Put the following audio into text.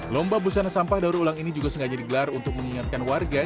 lomba busana sampah daur ulang ini juga sengaja digelar untuk mengingatkan warga